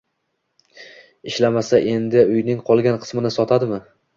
Ishlamasa endi uyning qolgan qismini sotadimi